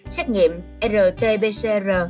xét nghiệm rt pcr